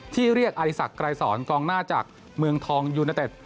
เรียกอริสักไกรสอนกองหน้าจากเมืองทองยูเนเต็ด